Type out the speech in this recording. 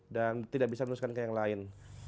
dan tidak bisa meneruskan ke yang lain